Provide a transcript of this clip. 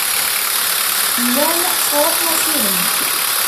Llan sṛuḥen assirem.